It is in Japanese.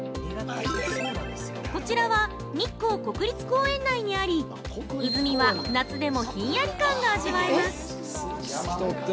こちらは日光国立公園内にあり、泉は、夏でもひんやり感が味わえます！